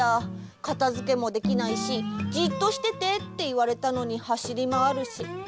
かたづけもできないし「じっとしてて」っていわれたのにはしりまわるし。